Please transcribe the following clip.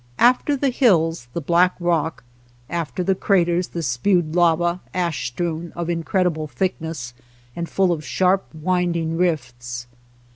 After the hills the black rock, after the craters the spewed lava, ash strewn, of incredible thickness, and full of sharp, winding rifts.